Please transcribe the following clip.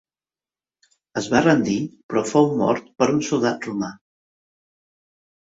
Es va rendir però fou mort per un soldat romà.